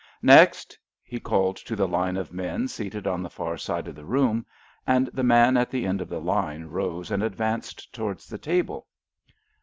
"Next," he called to the line of men seated on the far side of the room; and the man at the end of the line rose and advanced towards the table.